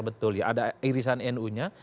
betul ya ada irisan nu nya